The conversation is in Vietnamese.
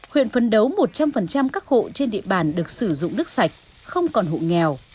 huyện phấn đấu một trăm linh các hộ trên địa bàn được sử dụng nước sạch không còn hộ nghèo